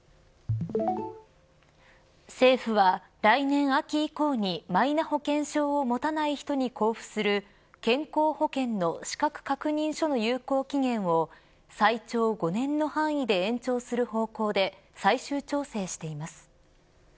政府は来年秋以降にマイナ保険証を持たない人に交付する健康保険の資格確認書の有効期限を最長５年の範囲で延長する方向で最終調整しています。